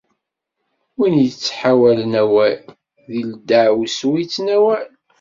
Win yettḥawalen awal, di deεwessu i yettnawal.